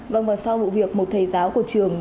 vâng và sau vụ việc một thầy giáo của trường